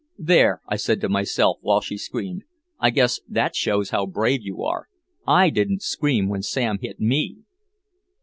"There," I said to myself while she screamed. "I guess that shows how brave you are. I didn't scream when Sam hit me."